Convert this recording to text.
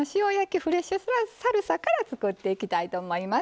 フレッシュサルサから作っていきたいと思います。